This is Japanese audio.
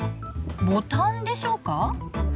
ボタンでしょうか？